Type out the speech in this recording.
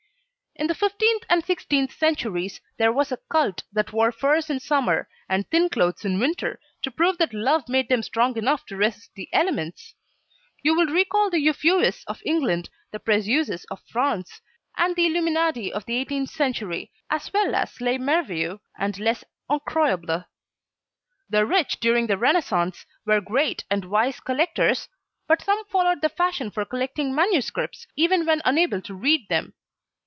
In the fifteenth and sixteenth centuries there was a cult that wore furs in Summer and thin clothes in Winter, to prove that love made them strong enough to resist the elements! You will recall the Euphuists of England, the Precieuses of France and the Illuminati of the eighteenth century, as well as Les Merveilleux and Les Encroyables. The rich during the Renaissance were great and wise collectors but some followed the fashion for collecting manuscripts even when unable to read them.